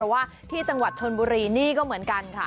ว่าที่จังหวัดชนบุรีนี่ก็เหมือนกันค่ะ